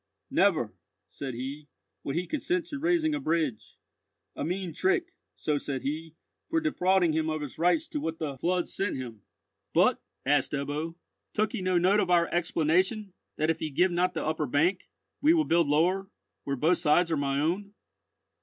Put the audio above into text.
'Never,' said he, 'would he consent to raising a bridge—a mean trick,' so said he, 'for defrauding him of his rights to what the flood sent him.'" "But," asked Ebbo, "took he no note of our explanation, that if he give not the upper bank, we will build lower, where both sides are my own?"